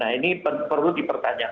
nah ini perlu dipertanyakan